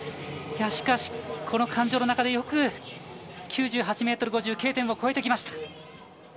しかし、この感情の中でよく９８．５メートルを超えてきました。